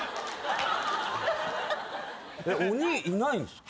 鬼いないんすか？